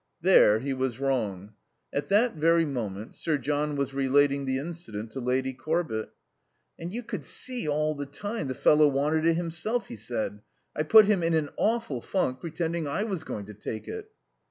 There he was wrong. At that very moment Sir John was relating the incident to Lady Corbett. "And you could see all the time the fellow wanted it himself. I put him in an awful funk, pretending I was going to take it."